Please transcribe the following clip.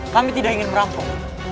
kami tidak ingin merampok